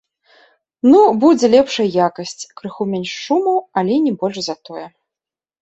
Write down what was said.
Ну, будзе лепшай якасць, крыху менш шуму, але не больш за тое.